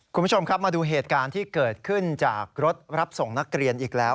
คุณผู้ชมครับมาดูเหตุการณ์ที่เกิดขึ้นจากรถรับส่งนักเรียนอีกแล้ว